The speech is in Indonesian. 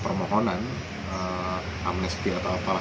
kami rencanakan di minggu depan